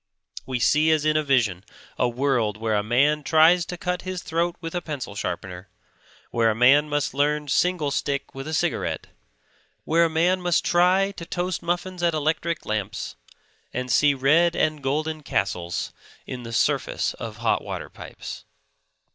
We see as in a vision a world where a man tries to cut his throat with a pencil sharpener; where a man must learn single stick with a cigarette; where a man must try to toast muffins at electric lamps, and see red and golden castles in the surface of hot water pipes.